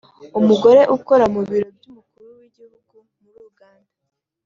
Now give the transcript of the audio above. umugore ukora mu Biro by’Umukuru w’Igihugu muri Uganda